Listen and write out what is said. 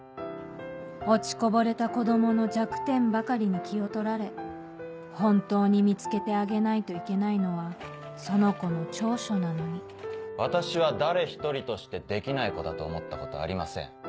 落ちこぼれた子供の弱点ばかりに気を取られ本当に見つけてあげないといけないのはその子の長所なのに私は誰一人としてできない子だと思ったことはありません。